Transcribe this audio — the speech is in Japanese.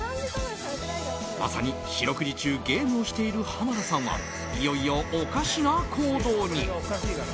まさに四六時中ゲームをしている濱田さんはいよいよ、おかしな行動に。